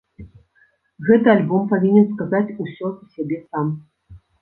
Гэты альбом павінен сказаць усё за сябе сам.